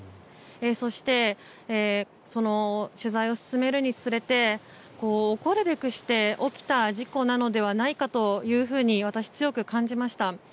そして、取材を進めるにつれて起こるべくして起きた事故なのではないかと私、強く感じました。